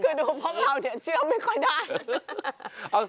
คือดูพวกเราเนี่ยเชื่อไม่ค่อยได้